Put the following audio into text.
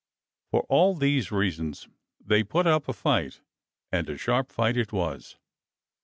For all these reasons they put up a fight, and a sharp fight it was.